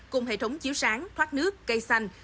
cùng hệ thống chiếu sáng thoát nước cây xanh